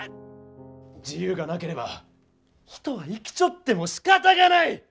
自由がなければ人は生きちょってもしかたがない！